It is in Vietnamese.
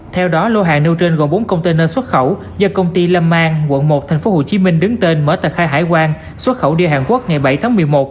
theo đó lô hàng nêu trên gồm bốn container xuất khẩu do công ty lâm an quận một tp hcm đứng tên mở tờ khai hải quan xuất khẩu đi hàn quốc ngày bảy tháng một mươi một